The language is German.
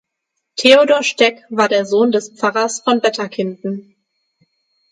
Theodor Steck war der Sohn des Pfarrers von Bätterkinden.